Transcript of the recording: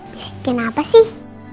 bisikin apa sih